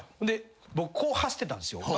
僕こう走ってたんですよ。